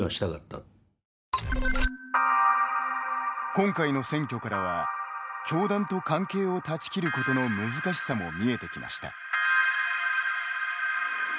今回の選挙からは教団と関係を断ち切ることの難しさも見えてきました。